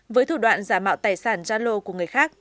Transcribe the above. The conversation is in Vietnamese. với thủ đoạn giả mạo tài sản gia lô của người khác